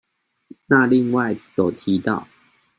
那另外有提到